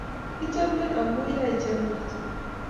kichome amuyoei chemyach.